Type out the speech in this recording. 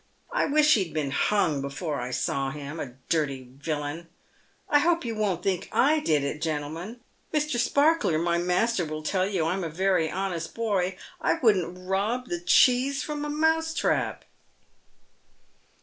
I wish he'd been hung before I saw him, a dirty villain. I hope you won't think / did it, gentlemen. Mr. Sparkler, my master, will tell you I'm a very honest boy. I wouldn't rob the cheese from a mousetrap."